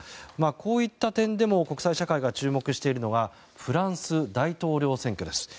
こういった点でも国際社会が注目しているのがフランス大統領選挙です。